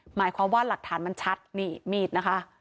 หมายความว่าหลักฐานมันชัดนี่มีดนะคะ